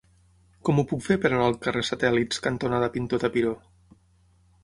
Com ho puc fer per anar al carrer Satèl·lits cantonada Pintor Tapiró?